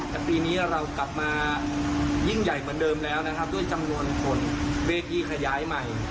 แต่ปีนี้เรากลับมายิ่งใหญ่เหมือนเดิมแล้วนะครับด้วยจำนวนคนเลขที่ขยายใหม่